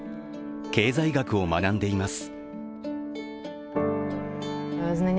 経済学を学んでいます。